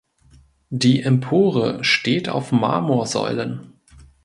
Die Empore steht auf Marmorsäulen.